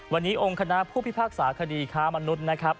วันนี้องค์คณะผู้พิพากษาคดีค้ามนุษย์นะครับ